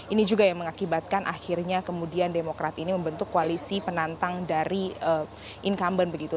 ini juga yang mengakibatkan akhirnya kemudian demokrat ini membentuk koalisi penantang dari incumbent begitu